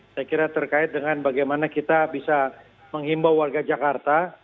saya kira terkait dengan bagaimana kita bisa menghimbau warga jakarta